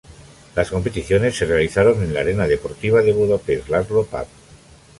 Las competiciones se realizaron en la Arena Deportiva de Budapest László Papp.